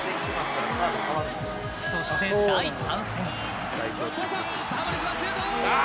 そして、第３戦。